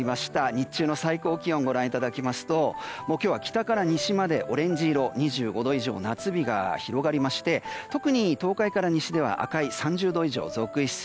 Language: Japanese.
日中の最高気温をご覧いただきますと今日は北から西までオレンジ色２５度以上の夏日が広がりまして特に東海から西では赤い３０度以上が続出。